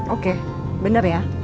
oke benar ya